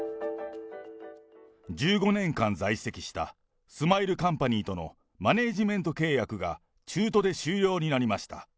１５年間在籍したスマイルカンパニーとのマネージメント契約が、中途で終了になりました。